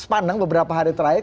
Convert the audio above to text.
sepandang beberapa hari terakhir